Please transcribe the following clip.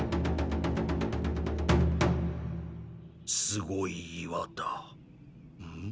すごい岩だん？